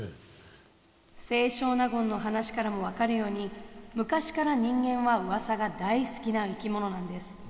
清少納言の話からも分かるように昔から人間はうわさが大好きな生き物なんです。